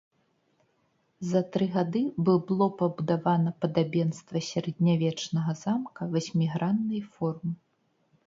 За тры гады было пабудавана падабенства сярэднявечнага замка васьміграннай формы.